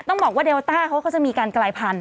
ต้องบอกว่าเดลต้าเขาก็จะมีการกลายพันธ